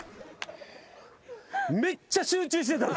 めっちゃ集中してたんすよ。